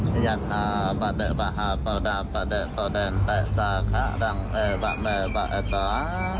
พิยาธาประเด็กบาฮาประดาบประเด็กตัวเด็นแตกสาขารังเปบะเมย์บะเอตา